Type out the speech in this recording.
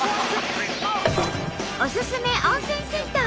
おすすめ温泉銭湯